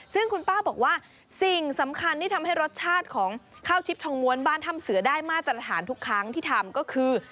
ซึ่งคุณป้าบอกว่าสิ่งสำคัญที่ทำให้รสชาติของข้าวทิพย์ทองม้วนบ้านถ้ำเสือได้มาตรฐานทุกครั้งที่ทำก็คือ